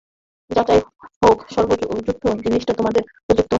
যাহাই হউক সর্বসুদ্ধ জিনিসটা তোমাদের উপযুক্ত হয় নাই?